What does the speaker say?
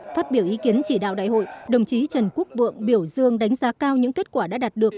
phát biểu ý kiến chỉ đạo đại hội đồng chí trần quốc vượng biểu dương đánh giá cao những kết quả đã đạt được